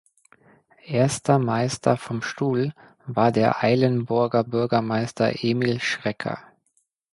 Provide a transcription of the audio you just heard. Erster Meister vom Stuhl war der Eilenburger Bürgermeister Emil Schrecker.